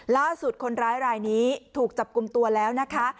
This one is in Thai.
ล่าสุดคนร้ายรายนี้ถูกจับกลุ่มตัวแล้วนะคะ